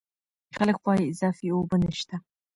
خلک وايي اضافي اوبه نشته.